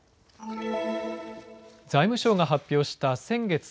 財務省が発表した先月